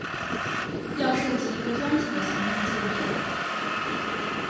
要设计一个专属的行动介面